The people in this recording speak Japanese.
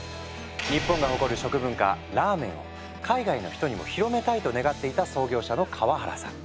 日本が誇る食文化ラーメンを海外の人にも広めたいと願っていた創業者の河原さん。